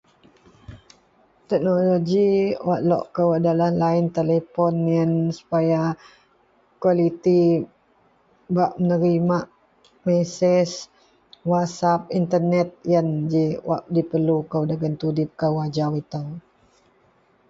teknologi wak lok kou adalah line telepon ien supaya kualiti bak menerima masej, whatasap, internate ien ji wak diperlu kou dagen tudip kou ajau itou